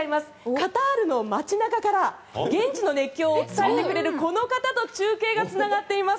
カタールの街中から現地の熱狂を伝えてくれるこの方と中継がつながっています。